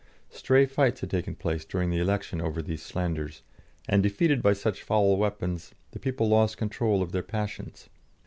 Stray fights had taken place during the election over these slanders, and, defeated by such foul weapons, the people lost control of their passions.